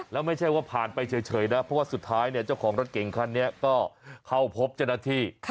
แล้วไม่ใช่ว่าผ่านไปเฉยนะเพราะว่าสุดท้ายเนี่ยเจ้าของรถเก่งคันนี้ก็เข้าพบเจ้าหน้าที่